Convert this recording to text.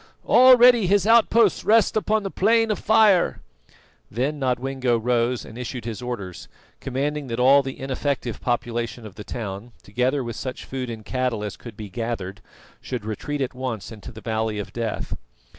Already his outposts rest upon the Plain of Fire." Then Nodwengo rose and issued his orders, commanding that all the ineffective population of the town, together with such food and cattle as could be gathered, should retreat at once into the Valley of Death.